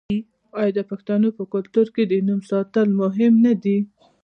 آیا د پښتنو په کلتور کې د نوم ساتل مهم نه دي؟